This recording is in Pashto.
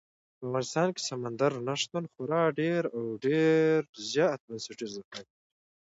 په افغانستان کې سمندر نه شتون خورا ډېر او ډېر زیات بنسټیز اهمیت لري.